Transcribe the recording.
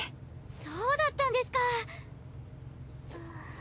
そうだったんですか。